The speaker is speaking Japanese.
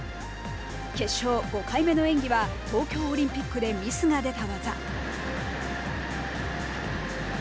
決勝、５回目の演技は東京オリンピックでミスが出た技。